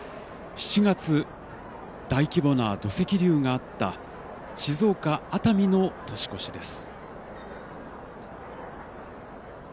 ７月大規模な土石流があった静岡・熱海の年越しです。